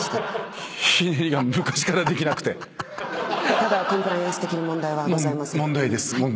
ただコンプライアンス的に問題はございません。